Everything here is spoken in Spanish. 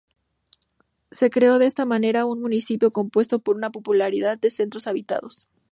Se creó de esta manera un municipio compuesto por una pluralidad de centros habitados.